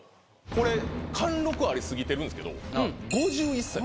これ貫禄あり過ぎてるんですけど５１歳。